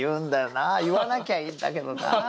言わなきゃいいんだけどな。